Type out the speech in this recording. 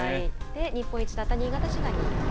日本一だった新潟市が２位と。